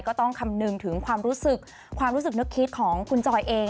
ก็ต้องคำนึงถึงความรู้สึกความรู้สึกนึกคิดของคุณจอยเอง